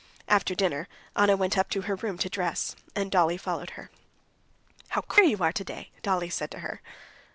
After dinner, Anna went up to her room to dress, and Dolly followed her. "How queer you are today!" Dolly said to her.